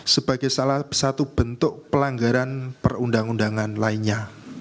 sebagai salah satu bentuk pelanggaran perundang undangan lainnya